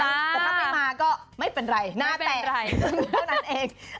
แต่ถ้าไม่มาก็ไม่เป็นไรหน้าแตกเท่านั้นเอง